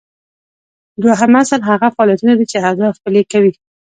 دوهم اصل هغه فعالیتونه دي چې اهداف پلي کوي.